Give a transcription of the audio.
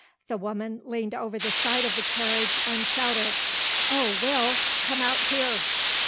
The woman leaned over the side of the carriage and shouted. "O Will, come out here."